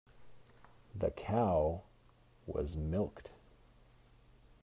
The cow was milked.